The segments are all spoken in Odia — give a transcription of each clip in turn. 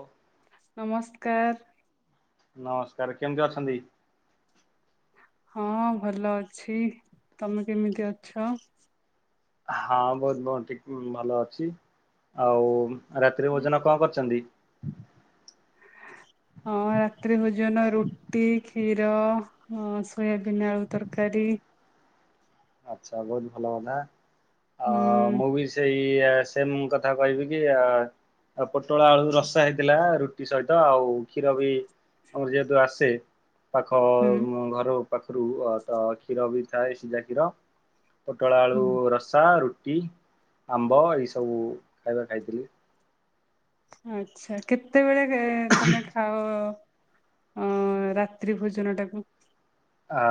ଓ। ନମସ୍କାର। ନମସ୍କାର କେମିତି ଅଛନ୍ତି। ହଁ ଭଲ ଅଛି ତମେ କେମିତି ଅଛ। ହଁ ବହୁତ ବ ଠିକ ଭଲ ଅଛି ଆଉ। ରାତିରେ ଭୋଜନ କଣ କରିଛନ୍ତି। ହଁ ରାତିି ଭୋଜନ ରୁଟି କ୍ଷୀର ସୋୟାବିନ ଆଳୁ ତରକାରୀ। ଟି। ଆଚ୍ଛା ବହୁତ ଭଲ କଥା ଆ ହୁଁ ମୁଁ ବି ସେଇ ସେମ କଥା କହିବି କି ଆ। ଆଉ ପୋଟଳ ଆଳୁ ରସା ହେଇଥିଲା ରୁଟି ସହିତ ଆଉ କ୍ଷୀର ବି। ଆମର ଯେହେତୁ ଆସେ। ପାଖ ହୁଁ ଘର ପାଖରୁ ତ କ୍ଷୀର ବି ଥାଏ ସିଝା କ୍ଷୀର। ପୋଟଳ ଆଳୁ ହୁଁ ରସା ରୁଟି ଆମ୍ବ ଏଇସବୁ ଖାଇବା ଖାଇଥିଲି। ଆଛା କେତେବେଳେ ତମେ ଖାଅ। ଅ ରାତ୍ରି ଭୋଜନ ଟାକୁ। ଅ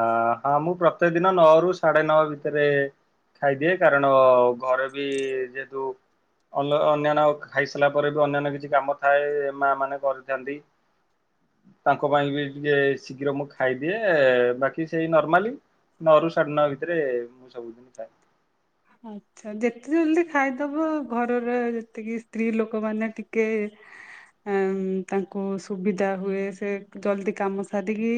ହଁ ମୁଁ ପ୍ରତ୍ୟକ ଦିନ ନଅରୁୁ ସାଢେ ନଅ ଭିତରେ ଖାଇଦିଏ କାରଣ ଘରେ ବି ଯେହେତୁ। ଅ ଅନ୍ୟାନ୍ୟ ଖାଇସାରିଲା ପରେ ବି ଅନ୍ୟାନ୍ୟ କିଛି କାମ ଥାଏ ମା ମାନେ କରିଥାନ୍ତି। ତାଙ୍କ ପାଇଁ ବି ଟିକେ ଶୀଘ୍ର ମୁଁ ଖାଇଦିଏ। ବାକି ସେଇ ନର୍ମାଲି ନଅ ର ସାଢ଼େ ନଅ ଭିତରେ ମୁଁ ସବୁଦିନ ଖାଏ। ଆଚ୍ଛା ଯେତେ ଜଲଦି ଖାଇଦବ ଘରର ଯେତିକି ସ୍ତ୍ରୀ ଲୋକମାନେ ଟିକେ ହ ଆ ତାଙ୍କୁ ସୁବିଧା ହୁଏ ସେ ଜଲଦି କାମ ସାରିକି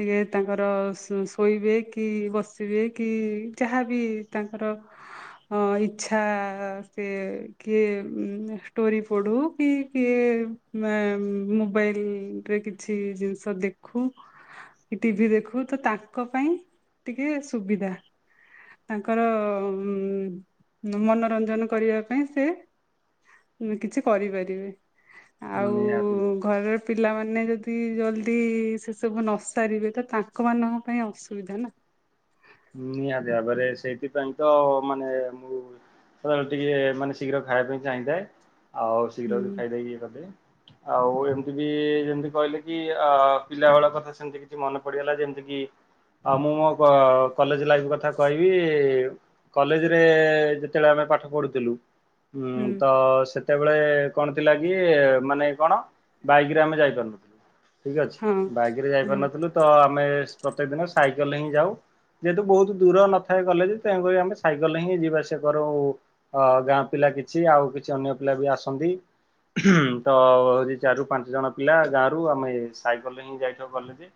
ଟିକେ ତା ତାଙ୍କର ସୋ ଶୋଇବେ କି ବସିବେ କି ଯାହାବି ତାଙ୍କର ହ ହଁ ଇଛା ସେ କିଏ ଷ୍ଟୋରି ପଢୁ କି କିଏ ମେ ମୋବାଇଲରେ କିଛି ଜିନିଷ ଦେଖୁ ଟିଭି ଦେଖୁ ତ ତାଙ୍କ ପାଇଁ ଟିକେ ସୁବିଧା। ତାଙ୍କର ଉ ମନୋରଞ୍ଜନ କରିବା ପାଇଁ ସେ କିଛି କରିପାରିବି ଆଉ ନିହାତି। ଘରେ ପିଲାମାନେ ଯଦି ଜଲଦି ସେ ସବୁ ନସାରିବେ ତ ତାଙ୍କ ମାନଙ୍କ ପାଇଁ ଅସୁବିଧା ନା। ନିହାତି ଭାବରେ ସେଇଥିପାଇଁ ତ ମାନେ ମୁଁ ଖରାବେଳେ ଟିକେ ମାନେ ଶୀଘ୍ର ଖାଇବା ପାଇଁ ଚାହିଁଥାଏ। ଆଉ ହୁଁ ଶୀଘ୍ର ବି ଖାଇଦ ଇଏ କରିଦେ ଆଉ ଏମିତି ବି ଯେମିତି କହିଲେ କି ଅ ପିଲା ବେଳ କଥା ସେମିତି କିଛି ମନେ ପଡିଗଲା ଯେମିତି କି ଆଉ ମୁଁ ମୋ କ ନିଜ ଲାଇଫ କଥା କହିବି କଲେଜରେ ଯେତେବେଳେ ଆମେ ପାଠ ପଢୁଥିଲୁ। ହୁଁ ତ ସେତେବେଳେ କଣ ଥିଲା କି ମାନେ କଣ ବାଇକ ରେ ଆମେ ଯାଇପାରୁନଥିଲୁ। ଠିକ ଅଛି। ହଁ ବାଇକରେ ହୁଁ ଯାଇପାରିନଥିଲୁ ତ ଆମେ ପ୍ରତ୍ୟେକ ଦିନ ସାଇକେଲ ହିଁ ଯାଉ। ଯେହେତୁ ବହୁତ ଦୂର ନଥାଏ କଲେଜ ତେଣୁକରି ଆମେ ସାଇକେଲ ହିଁ ଯିବାଆସ କରୁ ଗାଁ ପିଲା କିଛି ଆଉ କିଛି ଅନ୍ୟ ପିଲା ବି ଆସନ୍ତି। ତ ହଉଛି ଚାରରୁ ପାଞ୍ଚ ଜଣ ପିଲା ଗାଁରୁ ଆମେ ସାଇକେଲରେ ହିଁ ଯାଇଥାଉ କଲେଜ।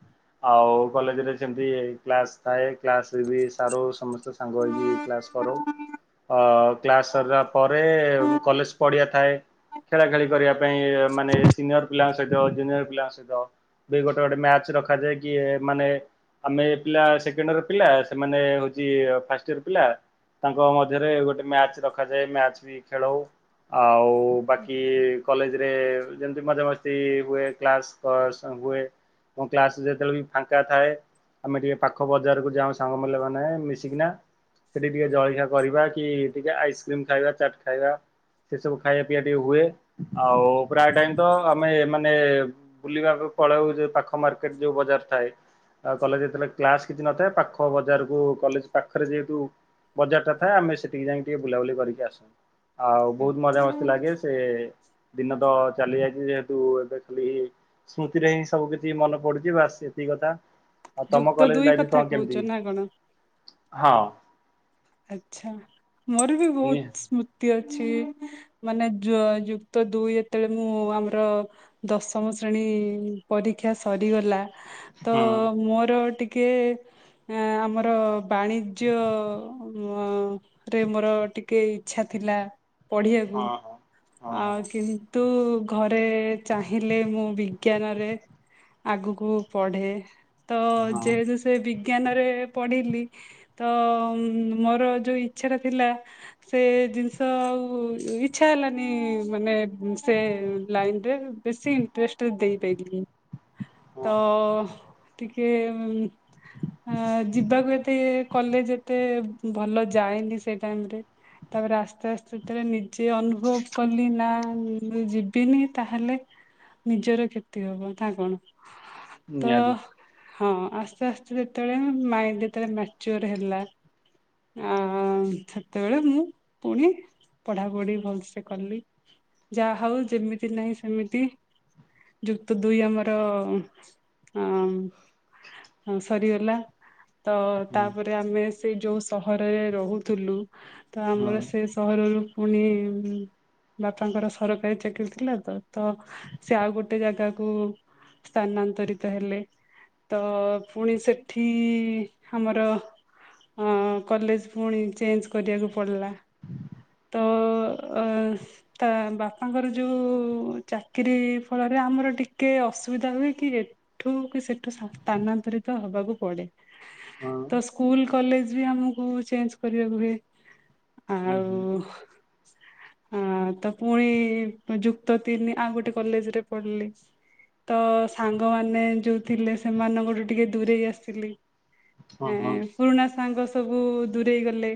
ଆଉ କଲେଜ ରେ ସେମତି କ୍ଲାସ ଥାଏ କ୍ଲାସ ବି ସାରୁ ସମ ତ ସାଙ୍ଗ ହେଇକି କ୍ଲାସ କରୁ। ଅ କ୍ଲାସ ସରିଲା ପରେ ମୁ କଲେଜ ପଡିଆ ଥାଏ ଖେଳା ଖେଳି କରିବା ପାଇଁ ମାନେ ସିନିୟର ପିଲାଙ୍କ ସହିତ ଜୁନିୟର ପିଲାଙ୍କ ସହିତ ବି ଗୋଟେ ଗୋଟେ ମ୍ୟାଚ୍ ରଖାଯାଏ କି ମାନେ ଆମେ ପିଲା ସେକେଣ୍ଡ ଅର୍ ପିଲା ସେମାନେ ହଉଛି ଫାଷ୍ଟ ଇଅର୍ ପିଲା। ତାଙ୍କ ମଧ୍ୟରେ ଗୋଟେ ମ୍ୟାଚ ରଖାଯାଏ। ମ୍ୟାଚ ବି ଖେଳଉ ଆଉ ବାକି କଲେଜରେ ଯେମତି ମଜାମସ୍ତି ହୁଏ କ୍ଲାସ୍ ହୁଏ। କ୍ଲାସ ଯେତେବେଳେ ବି ଫାଙ୍କା ଥାଏ ଆମେ ଟିକେ ପାଖ ବଜାରକୁ ଯାଉ ସାଙ୍ଗମାନେ ମାନେ ମିଶିକିନା ସେଠି ଟିକେ ଜଳଖିଆ କରିବା କି ଟିକେ ଆଇସକ୍ରିମ ଖାଇବା ଚାଟ୍ ଖାଇବା ସେ ସବୁ ଖାଇବା ପିଇବା ଟିକେ ହୁଏ। ଆଉ ପ୍ରାୟ ଟାଇମ ତ ଆମେ ମାନେ ବୁଲିବା ପଳାଉ ଯେଓ ପାଖ ମାର୍କେଟ ଯୋଉ ବଜାର ଥାଏ। ଆଉ କଲେଜ ରେ ଯେତେ ବେଳେ କ୍ଲାସ୍ କିଛି ନ ଥାଏ ତ ପାଖ ବଜାର କୁୁ କଲେଜ ପାଖରେ ଯେହେତୁ ବଜାର ଟା ଥାଏ ଆମେ ସେଠକି ଯାଇକ ଟିକେ ବୁଲାବୁଲି କରିକି ଆସୁ। ଆଉ ବହୁତ ମଜାମସ୍ତି ଲାଗେ ସେ ଦିନ ତ ଚାଲି ଯାଇଛି ଯେହେ ତୁ ଏବେ ଖାଲି ସ୍ମୃତିରେ ହିଁ ସବୁ କିଛି ମନେ ପଡୁଛି ବାସ୍ ଏତିକି। ଆଉ ତମ ଯୁକ୍ତ କଲେଜ ଦୁଇ ଲାଇଫ କଥା କଣ କହୁଛ କେମିତି? ନା କଣ? ହଁ। ଆଛା ମୋର ବି ନିହା ବହୁତ ସ୍ମୃତି ଅଛି। ମାନେ ଯ ଯୁକ୍ତ ଦୁଇ ଯେତେବେଳେ ମୁଁ ଆମର ଦଶମ ଶ୍ରେଣୀ ପରୀକ୍ଷା ସରିଗଲା ତ ହଁ। ମୋର ଟିକେ ଟିକେ ଆମର ବାଣିଜ୍ୟ ମ ରେ ମୋର ଟିକେ ଇଚ୍ଛା ଥିଲା। ପଢିବାକୁ ହଁ ହଁ ହଁ ଆଉ କି ନ୍ତୁ ଘରେ ଚାହିଁଲେ ମୁଁ ବିଜ୍ଞାନ ରେ ଆଗକୁ ପଢେ। ତ ହଁ ଯେହେତୁ ସେ ବିଜ୍ଞାନରେ ପଢିଲି ତ ମୋର ଯୋଉ ଇଚ୍ଛାଟା ଥିଲା, ସେ ଜିନିଷ ଆଉ ଇଚ୍ଛା ହେଲାନି ମାନେ ସେ ଲାଇନରେ ବେଶି ଇଣ୍ଟ୍ରେଷ୍ଟ ଦେଇପାଇଲିନି। ହଁ ତ ହଁ ଟିକେ ଉଁ ଆଁ ଯିବାକୁ ଏତେ କଲେଜ ଏତେ ଭଲ ଯାଏନି ସେଇ ଟାଇମରେ ତାପରେ ଆସ୍ତେ ଆସ୍ତେ ଯେତେବେଳେ ନିଜେ ଅନୁଭବ କଲି ନା ମୁଁ ଯିବିନି ତାହେଲେ ନିଜର କ୍ଷତି ହବ। ତା କଣ? ତ ମ୍ୟାମ୍ ହଁ ଆସ୍ତେ ଆସ୍ତେ ଯେତେବେଳେ ମୋ ମାଇଣ୍ଡ ଯେତେବେଳେ ମ୍ୟାଚୁଅର୍ ହେଲା ଆ ସେତେବେଳେ ମୁଁ ପୁଣି ପଢାପଢି ଭଲସେ କଲି ଯାହଉ ଯେମିତି ନାହିଁ ସେମିତି ଯୁକ୍ତ ଦୁଇ ଆମର ଅ ହଁ ସରିଗଲା ତ ତାପରେ ଆମେ ସେଇ ଯୋଉ ସହର‌ରେ ରହୁଥୁଲୁ ତ ହଁ ଆମର ସେ ସହରରୁ ପୁଣି ବାପାଙ୍କର ସରକାରୀ ଚାକିରୀ ଥିଲା ତ, ତ ସେ ଆଉ ଗୋଟେ ଜାଗାକୁ ସ୍ଥାନାନ୍ତରିତ ହେଲେ ତ ପୁଣି ସେଠି ଆମର ଅ କଲେଜ ପୁଣି ଚେଞ୍ଜ କରିବାକୁ ପଡ଼ିଲା ତ ଅ ତା ବାପାଙ୍କର ଯୋଉ ଚାକିରୀ ଫଳ ରେ ଆମର ଟିକେ ଅସୁବିଧା ହୁଏ କି ଏଠୁ କି ସେଠୁ ସାତ୍ ସ୍ଥାନାନ୍ତରିତ ହବାକୁ ପଡେ। ହଁ ତ ସ୍କୁଲ କଲେଜ ବି ଆମକୁ ଚେଞ୍ଜ କରିବାକୁ ହୁଏ। ଆଉ ହଁ ତ ପୁଣି ଯୁକ୍ତ ତିନି ଆଉ ଗୋଟେ କଲେଜରେ ପଢିଲି। ତ ସାଙ୍ଗମାନେ ଯୋଉ ଥିଲେ ସେମାନଙ୍କଠୁ ଟିକେ ଦୂରେଇ ଆସିଲି। ଏଁ ପୁରୁଣା ସାଙ୍ଗ ସବୁ ଦୂରେଇ ଗଲେ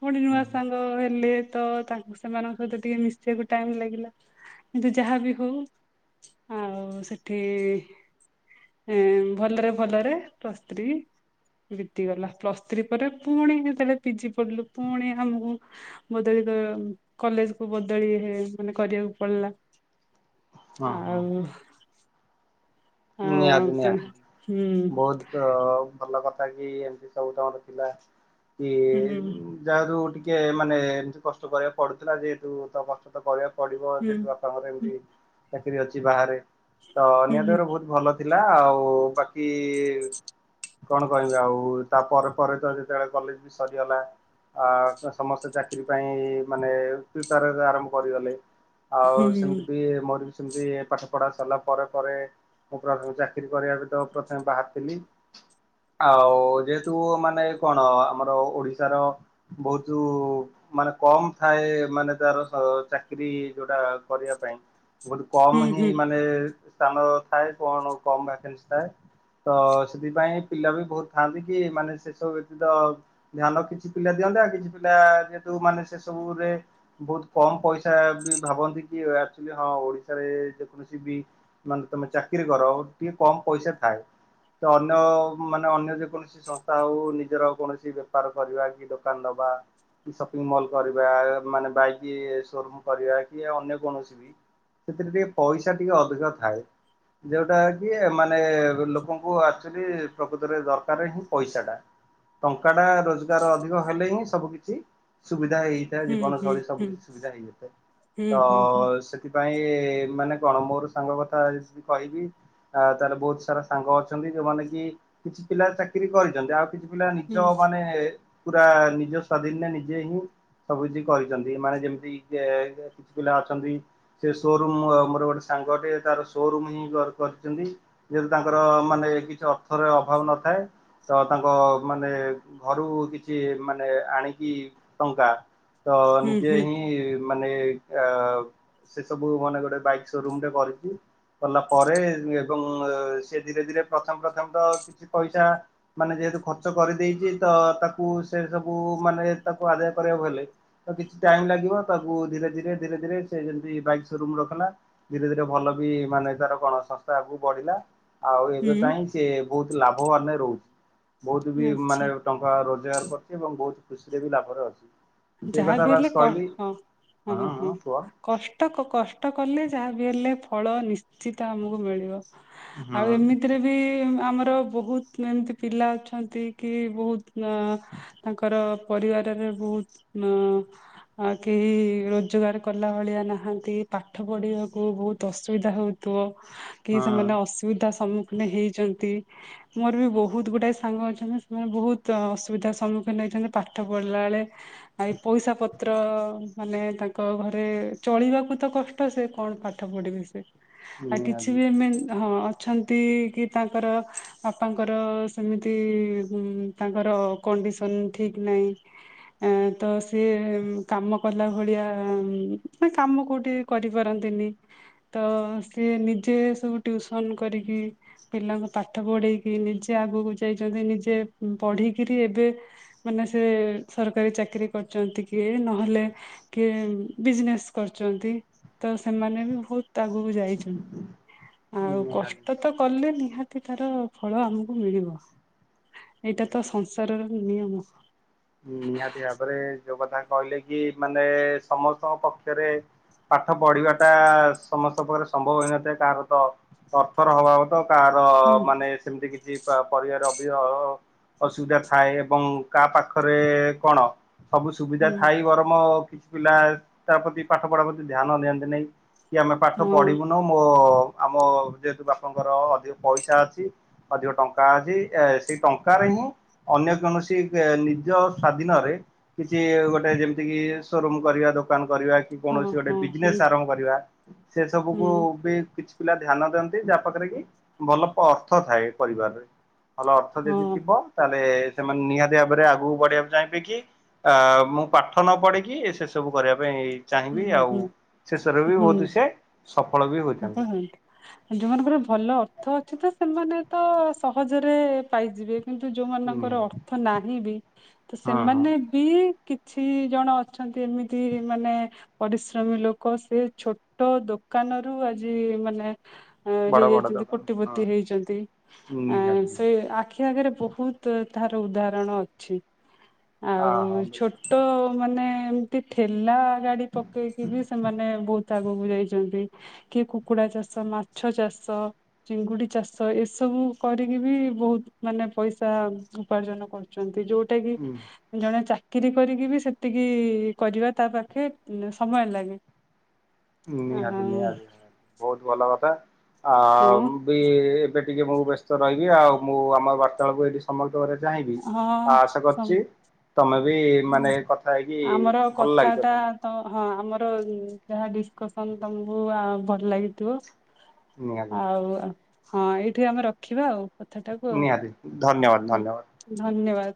ପୁଣି ନୂଆ ସାଙ୍ଗ ହେଲେ। ତ ତାଙ୍କୁ ସେମାନଙ୍କ ସହିତ ଟିକେ ମିଶିବାକୁ ଟାଇମ ଲାଗିଲା। କିନ୍ତୁ ଯାହାବି ହଉ ଆଉ ସେଠି ଏ ଭଲରେ ଭଲରେ ପ୍ଲସ୍ ଥ୍ରୀ ବିତିଗଲା। ପ୍ଲସ୍ ଥ୍ରୀ ପରେ ପୁଣି ହେତେବେଳେ ପିଜି ପଢିଲୁ, ପୁଣି ଆମକୁ ବଦଳି କଲେଜକୁ ବଦ ବଦଳି ହେ ମାନେ କରିବାକୁ ପଡିଲା। ଆଉ ଆ ନିହାତି ନିହାତି ହୁଁ ବହୁତ ଭଲ କ ଥା କି ଏମତି ସବୁ ତମର ଥିଲା କି ହୁଁ ଯାହାବି ହଉ ଟିକ ଟିକେ ମାନେ ଏମତି କଷ୍ଟ କରିବାକୁ ପଡୁଥିଲା ଯେହେତୁ ତ କଷ୍ଟ ତ କରିବାକୁ ପଡିବ, ହୁଁ ଯେହେତୁ ବାପାଙ୍କର ଏମତି ଚାକିରୀ ଅଛି ବାହାରେ, ତ ହୁଁ ନିହାତି ଭାବରେ ବହୁତ ଭଲ ଥିଲା ଆଉ ବାକି କଣ କହିବି ଆଉ ତାପରେ ପରେ ତ ଯେତେବେଳେ କଲେଜ ବି ସରିଗଲା ଆ ସମସ୍ତେ ଚାକିରୀ ପାଇଁ ମାନେ ପ୍ରିପେୟାରରେ ଆରମ୍ଭ କରିଗଲେ ହୁଁ ଆଉ ହୁଁ ସେମତି ବି ମୋର ବି ସେମତି ପାଠ ପଢା ସରିଲା ପରେ ପରେ ମୁଁ ପ୍ରଥମେ ଚାକିରୀ କରିବାକୁ ତ ପ୍ରଥମେ ବାହାରିଥିଲି ଆଉ ଯେହେତୁ ମାନେ କଣ ଆମର ଓଡିଶାର ବହୁତୁ ମାନେ କମ ଥାଏ ମାନେ ତାର ସ ଚାକିରୀ ଯୋଉଟା କରିବା ପାଇଁ ବହୁତ କମ ହୁଁ ହିଁ ମାନେ ସ୍ଥାନ ଥାଏ କଣ କମ ଭ୍ୟାକାନ୍ସି ଥାଏ ତ ସେଥିପାଇଁ ପିଲା ବି ବହୁତ ଥାଆନ୍ତି କି ମାନେ ସେସବୁ ବ୍ୟତୀତ ଧ୍ୟାନ କିଛି ପିଲା ଦିଅନ୍ତି ଅନ୍ତି ଆଉ କିଛି ପିଲା ଯେହେତୁ ମାନେ ସେସବୁରେ ବହୁତ କମ ପଇସା ବି ଭାବନ୍ତି କି ଆକଚୁଅଲି ହଁ ଓଡିଶାରେ ଯେକୌଣସି ବି ମାନେ ତମେ ଚାକିରୀ କର ଟିକେ କମ ପଇସା ଥାଏ। ତ ଅନ୍ୟ, ମାନେ ଅନ୍ୟ ଯେକୌଣସି ସଂସ୍ଥା ହଉ, ନିଜର କୌଣସି ବେପାର କରିବା କି ଦୋକାନ ଦବା ବା ସପିଙ୍ଗ ମଲ୍ କରିବା ମାନେ, ବାଇକ ସୋ ରୁମ କରିବା, କି ଅନ୍ୟ କୌଣସି ବି ସେଥିରେ ଟିକେ ପଇସା ଟିକେ ଅଧିକ ଥାଏ। ଯୋଉଟା କି ମାନେ ଲୋକଙ୍କୁ ଆଚୁଆଲି ପ୍ରକୃତରେ ଦରକାର ହିଁ ପଇସାଟା ଟଙ୍କା ଟା ରୋଜଗାର ଅଧିକ ହେଲେ ହିଁ ସବୁ କିିଛି ସୁବିଧା। ସୁବଧା ହେଇଯାଇଥାଏ ହୁଁ ଜୀବନ ହୁଁ ଶୈଳୀ ସବୁ କିିଛି ହୁଁ ସୁବିଧା ହେଇଯାଇଥାଏ। ହୁଁ ତ ହୁଁ ସେଥିପାଇଁ ମାନେ କଣ, ମୋର ସାଙ୍ଗ କଥା ଯ କହିବି। ଆ ତାହେଲେ ବହୁତ ସାରା ସାଙ୍ଗ ଅଛନ୍ତି, ଯୋଉମାନେ କି କିଛି ପିଲା ଚାକିରି କରିଛନ୍ତି ଆଉ କିଛି ପିଲା ନିଜ ହୁଁ ମାନେ ପୁରା ନିଜ ସ୍ଵାଧୀନରେ ନିଜେ ହିଁ ସବୁ କିଛି କରିଛନ୍ତି, ମାନେ ଯେମିତି କିଛି ପିଲା ଅଛନ୍ତି, ସେ ସୋରୁମ ମୋର ଗୋଟେ ସାଙ୍ଗଟେ ତାର ସୋରୁମ ହିଁ କରିଛନ୍ତି, ଯେହେତୁ ତାଙ୍କର ମାନେ କିଛି ଅର୍ଥର ଅଭାବ ନଥାଏ। ତ ତାଙ୍କ ମାନେ ଘରୁ କିଛି, ମାନେ ଆଣିକି ଟଙ୍କା ତ ହୁଁ ନିଜେ ହୁଁ ହିଁ ମାନେ ସେ ସବୁ ମାନେ ଗୋଟେ ବାଇକ ସୋରୁମଟେ କରିଛି। ଗଲା ପରେ ଏବଂ ସେ ଧୀରେ ଧୀରେ ପ୍ରଥମ ପ୍ରଥମ ତ କିଛି ପଇସା ମାନେ ଖର୍ଚ୍ଚ କରିଦେଇଛି ତ, ତାକୁ ସେ ସବୁ ମାନେ ତାକୁ ଆଦାୟ କରିବାକୁ ହେଲେ ତ କିଛି ଟାଇମ ଲାଗିବ, ତାକୁ ଧୀରେ ଧୀରେ ଧୀରେ ଧୀରେ ସେ ଯେମତି ବାଇକ୍ ସୋରୁମ ରଖିଲା, ଧୀରେ ଧୀରେ ଭଲ ବି ମାନେ ତାର ଗଣ ସଂସ୍ଥା ଆଗକୁ ବଢିଲା ଆଉ ଏବେ ହୁଁ ପାଇଁ ସେ ବହୁତ ଲାଭବାନ ନ ରହୁଛି, ବହୁତ ବି ଆଚ୍ଛା ମାନେ ଟଙ୍କା ରୋଜଗାର କରୁଛି ଏବଂ ବହୁତ ଖୁସିରେ ବି ଲାଭରେ ଅଛି ସେଇ ଯାହା କଥା ବି ହେଲେ ବାସ୍ କ କହିଲି ହଁ ହୁଁ ହଁ ହୁଁ ହଁ କୁହ କଷ୍ଟ, କଷ୍ଟ କଲେ, ଯାହା ବିି ହେଲେ ଫଳ ନିଶ୍ଚିତ ଆମକୁ ମିଳିବ ହଁ ଆଉ ଏମିତିରେ ବି ଆମର ବହୁତ ଏମିତି ପିଲା ଅଛନ୍ତି କି ବହୁତ ତାଙ୍କର ପରିବାରରେ ବହୁତ ଅ ଆ କେହି ରୋଜଗାର କଲା ଭଳିଆ ନାହାନ୍ତି ପାଠ ପଢିବାକୁ ବହୁତ ଅସୁବିଧା ହଉଥିବ କି ସେମାନେ ହଁ ଅସୁବିଧା ସମ ମାନେ ହେଇଛନ୍ତି ମୋର ବି ବହୁତ ଗୁଡାଏ ସାଙ୍ଗ ଅଛନ୍ତି, ସେମାନେ ବହୁତ ଅସୁବିଧାର ସମ୍ମୁଖୀନ ହେଇଛନ୍ତି। ପାଠ ପଢିଲା ବେଳେ ଆ ପଇସା ପତ୍ର ମାନେ, ତାଙ୍କ ଘରେ ଚଳିବାକୁ ତ କଷ୍ଟ, ସେ କଣ ପାଠ ପଢ ଆଉ କିଛି ନିହାତି ବି ହଁ ଅଛନ୍ତି କି, ତାଙ୍କର ବାପାଙ୍କର ସେମିତି ତାଙ୍କର କଣ୍ଡିସନ ଠିକ ନାହିଁ। ତ ସିଏ କାମ କଲା ଭଳିଆ, ମାନେ କାମ କୋଉଠି କରିପାରନ୍ତିନି। ତ ସିଏ ନିଜେ ସବୁ ଟିଉସନ କରିକି, ପିଲା ଙ୍କୁ ପାଠ ପଢେଇକି ଯ ଆଗକୁ ଯାଇଛନ୍ତି, ନିଜେ ପଢିକରି ଏବେ, ମାନେ, ସେ ସରକାରୀ ଚାକିରୀ କରଛନ୍ତି କିଏ, ନହେଲେ କିଏ ବିଜନେସ୍ କରୁଛନ୍ତି। ତ ସେମାନେ ବି ବହୁତ ଆଗକୁ ଯାଇଛନ୍ତି, ଆଉ ନିହାତି। କଷ୍ଟ ତ କଲେ ନିହାତି ତାର ଫଳ ଆମକୁ ମିଳିବ, ଏଇଟା ତ ସଂସାରର ନିୟମ। ନିହାତି ଭାବରେ, ଯୋଉ କଥା କହିଲେ କି -ମାନେ ସମସ୍ତଙ୍କ ପକ୍ଷରେ ପାଠ ପଢିବା ଟା ସମସ୍ତ ପ୍ରକାର ସମ୍ଭବ ହୋଇନଥାଏ, କାହାର ତ ଅର୍ଥର ଅଭାବ କାହାର ହୁଁ ମାନେ ସେମିତି କିଛି ପରିବାର ଅ ବି ଅସୁବିଧା ଥାଏ ଏବଂ କା ପାଖରେ କଣ ସବୁ ସୁବିଧା ହୁଁ ଥାଇ ଗରମ କିଛି ପିଲା ତା ପ୍ରତି ପାଠ ପଢା ପ୍ରତି ଧ୍ୟାନ ଦିଅନ୍ତି ନାହିଁ। କି ଆମେ ପାଠ ହଁ ପଢ଼ିବୁନୁ, ମୋ ଆମ ଯେହେତୁ ବାପାଙ୍କର ଅଧିକ ପଇସା ଅଛି, ଅଧିକ ଟଙ୍କା ଅଛି, ସେଇ ଟଙ୍କାରେ ହି [unintelligible] ଅନ୍ୟ କୌଣସି ନିଜ ସ୍ୱାଧୀନରେ କିଛି ଗୋଟେ ଯେମତିକି, ସୋରୁମ କରିବା, ଦୋକାନ କରିବା କି କୌଣସି ଗୋଟେ ହଁ ହଁ। ବିଜନେସ୍ ଆରମ୍ଭ କରିବା ସେ ହୁଁ ସବୁକୁ ବି କିଛି ପିଲା ଧ୍ୟାନ ଦିଅନ୍ତି ଯାହା ପାଖରେ କି ଭଲ ଅର୍ଥ ଥାଏ ପରିବାରରେ ଭଲ ଅର୍ଥ ହଁ ଯଦି ଥିବ ତାହେଲେ ସେମାନେ ନିହାତି ଭାବରେ ଆଗକୁ ପଢିବାକୁ ଚାହିଁବେ କିି ଅ ମୁଁ ପାଠ ନ ପଢିକି ସେ ସବୁ କରିବା ପାଇଁ ହୁଁ ଚାହିଁବି ଆଉ। ହୁଁ ଶେଷରେ ବି ହୁଁ ବହୁତ ସେ ସଫଳ ବି ହୋଇଥାନ୍ତି ଯୋଉ ମମାନ ଉପରେ ଭଲ ଅର୍ଥ ଅଛି ତ ସେମାନେ ତ ସହଜରେ ପାଇଯିବେ। କିନ୍ତୁ ଯୋଉମାନଙ୍କର ନିହାତି ଅର୍ଥ ନାହିଁ ବି ତ ହଁ ହଁ ସେମାନେ ବି କିଛି ଜଣ ଅଛନ୍ତି ଏମିତି ମାନେ ପରିଶ୍ରମୀ ଲୋକ ସେ ଛୋଟ ଦୋକାନରୁୁ ଆଜି ମାନେ ବଡ ବଡ ହେଇଯାଇଛନ୍ତି ଦୋକାନ ହଁ କୋଟିପତି ହେଇଛନ୍ତି ଆ ନିହାତି ସେ ନିହାତି ଆଖି ଆଗରେ ବହୁତ ତାର ଉଦାହରଣ ଅଛି ହଁ ହଁ ଆଉ ଛୋଟ ମାନେ ଏମିତି ଠେଲା ଗାଡି ପକେଇକି ବି ସେମାନେ ବହୁତ ଆଗକୁ ଯାଇଛନ୍ତି କି କୁକୁଡା ଚାଷ ମାଛ ଚାଷ ଚିଙ୍ଗୁଡି ଚାଷ ଏସବୁ କରିକି ବି ବହୁତ ମାନେ ପଇସା ଉପାର୍ଜନ କରୁଛନ୍ତି। ଯୋଉଟା କି ବିଲକୁଲ ଜଣେ ଚାକିରି କରିକି ବି ସେତିକି କରିବା ତା ପାଖେ ସମୟ ଲାଗେ ନିହାତି ଆଉ ନିହାତି ନି ବହୁତ ଭଲ କଥା ଆ ହଁ ବି ଏବେ ଟିକେ ମୁଁ ବ୍ୟସ୍ତ ରହିବି ଆଉ ମୁଁ ଆମ ବାର୍ତ୍ତା ବେଳକୁ ଏଠି ସମସ୍ତେ ଚାହିଁବି ହଁ ଆଶା ସମ କରୁଛି ତମେ ବି ମାନେ କଥା ହେଇକି ଆମର ଭଲ ଲାଗିଥ କଥାଟା ତମକୁ ତ ହଁ ଆମର ଯାହା ଡିସକସନ ତମକୁ ଭଲ ଲାଗିଥିବ ନିହାତି ଆଉ ହଁ ଏଇଠି ଆମେ ରଖିବା ଆଉ। ଆ ନିହାତି ଧନ୍ୟବାଦ ହ ଧନ୍ୟବାଦ। ଧନ୍ୟବାଦ।